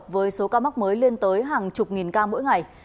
với số ca mắc mới lên tới hàng chục nghìn ca mỗi ngày